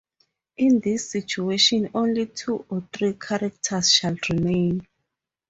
In this situation only two or three characters shall remain.